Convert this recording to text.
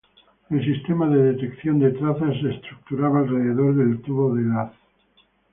El sistema de detección de trazas se estructuraba alrededor del tubo del haz.